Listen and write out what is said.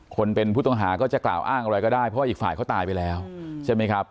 คนเป็นผู้ต้องหาก็จะกล่าวอ้างอะไรก็ได้เพราะว่าอีกฝ่ายเขาตายไปแล้วใช่ไหมครับ